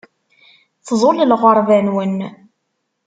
Tḍul lɣerba-nwen.